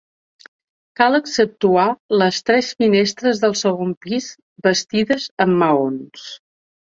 Cal exceptuar les tres finestres del segon pis, bastides amb maons.